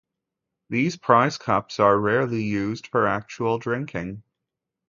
These prize cups are rarely used for actual drinking.